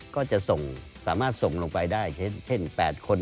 ก็จะส่งสามารถส่งลงไปได้เช่น๘คน